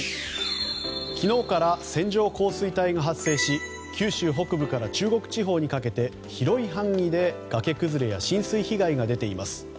昨日から線状降水帯が発生し九州北部から中国地方にかけて広い範囲で崖崩れや浸水被害が出ています。